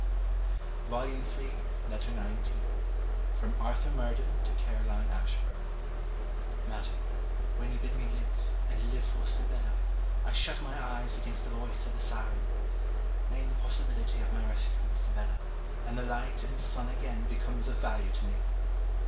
CAROLINE ASHBURN LETTER XIX FROM ARTHUR MURDEN TO CAROLINE ASHBURN Madam, When you bid me live, and live for Sibella, I shut my ears against the voice of the syren. Name the possibility of my rescuing Sibella, and the light and sun again becomes of value to me!